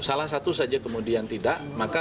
salah satu saja kemudian tidak maka